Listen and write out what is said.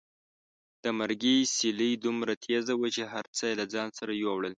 د مرګي سیلۍ دومره تېزه وه چې هر څه یې له ځان سره یوړل.